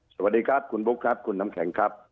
สวัสดีครับคุณบุ๊คครับคุณน้ำแข็งครับ